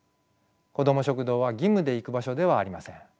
こども食堂は義務で行く場所ではありません。